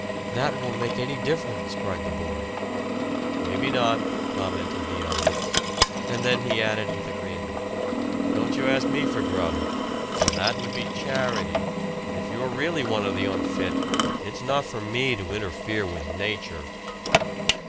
"That won't make any difference!" cried the boy. "Maybe not," commented the other; and then he added with a grin: "Don't you ask me for grub. For that would be charity; and if you're really one of the unfit, it's not for me to interfere with nature!"